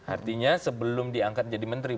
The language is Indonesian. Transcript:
artinya sebelum diangkat jadi menteri